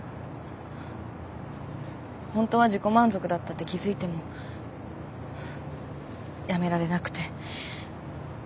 ホントは自己満足だったって気付いてもやめられなくて。